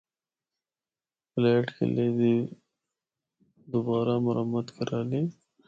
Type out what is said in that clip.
پلیٹ قلعے دی دبّارا مرمت کرالی۔